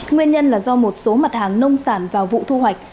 nguyên nhân là do một số mặt hàng nông sản vào vụ thu hoạch